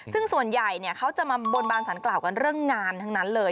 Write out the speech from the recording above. ซึ่งส่วนใหญ่เขาจะมาบนบานสารกล่าวกันเรื่องงานทั้งนั้นเลย